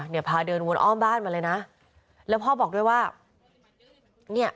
เนี่ยพาเดินวนอ้อมบ้านมาเลยนะแล้วพ่อบอกด้วยว่าเนี่ย